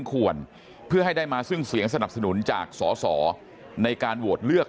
ควรเพื่อให้ได้มาซึ่งเสียงสนับสนุนจากสอสอในการโหวตเลือก